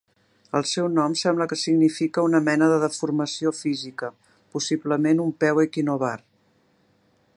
El seu nom sembla que significa una mena de deformació física, possiblement un peu equinovar.